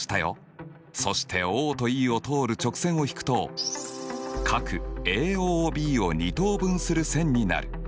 そしてＯとＥを通る直線を引くと角ＡＯＢを二等分する線になる。